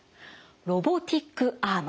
ロボティックアーム。